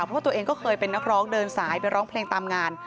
เพราะว่าตัวเองก็เคยเป็นนักร้องเดินสายไปร้องเพลงตามงาน